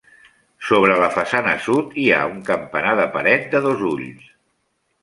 Sobre la façana sud, hi ha un campanar de paret de dos ulls.